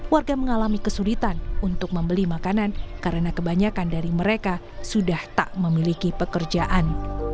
warga mengalami kesulitan untuk membeli makanan karena kebanyakan dari mereka sudah tak memiliki pekerjaan